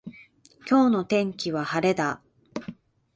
今日の天気は晴れだ。